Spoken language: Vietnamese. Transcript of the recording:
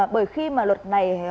bởi khi mà luật này